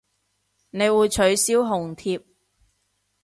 你會取消紅帖